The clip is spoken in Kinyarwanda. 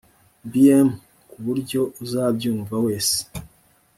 bm ku buryo uzabyumva wese